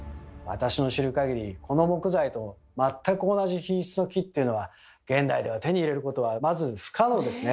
私の知る限りこの木材と全く同じ品質の木っていうのは現代では手に入れることはまず不可能ですね。